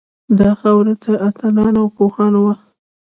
دا خاوره د اتلانو او پوهانو وه